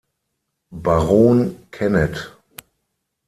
Baron Kennet.